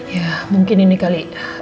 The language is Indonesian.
ya mungkin ini kali